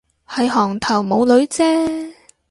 係行頭冇女啫